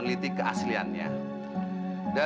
udah pulang aja